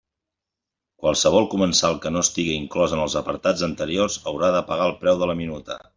Qualsevol comensal que no estiga inclòs en els apartats anteriors haurà de pagar el preu de la minuta.